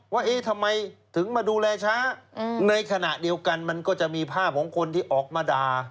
ว่าเอ๊ะทำไมถึงมาดูแลช้าในขณะเดียวกันมันก็จะมีภาพของคนที่ออกมาด่า